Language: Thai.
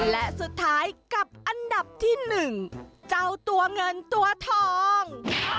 และสุดท้ายกับอันดับที่๑เจ้าตัวเงินตัวทอง